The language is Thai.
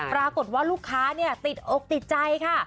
ปรากฏว่าลูกค้าติดอกติดใจค่ะ